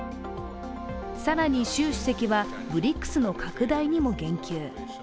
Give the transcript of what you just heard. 更に習主席はＢＲＩＣＳの拡大にも言及。